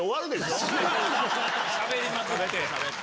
しゃべりまくって。